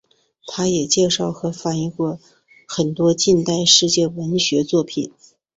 它也介绍和翻译过很多近代世界文学作品。